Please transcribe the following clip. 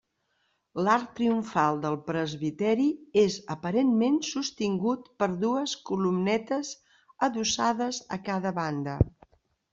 L'arc triomfal del presbiteri és aparentment sostingut per dues columnetes adossades a cada banda.